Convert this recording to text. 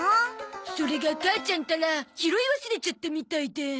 それが母ちゃんったら拾い忘れちゃったみたいで。